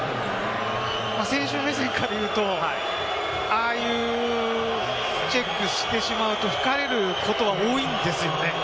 選手目線から言うと、ああいうチェックしてしまうと、吹かれることは多いんですよね。